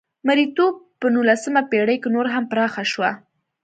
مریتوب په نولسمه پېړۍ کې نور هم پراخه شوه.